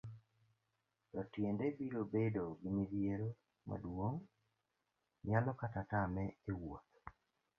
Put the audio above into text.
to tiende biro bedo gi midhiero maduong',nyalo kata tame e wuoth